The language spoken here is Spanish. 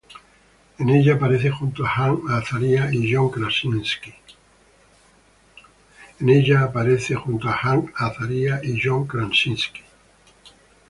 En ella aparece junto a Hank Azaria y John Krasinski.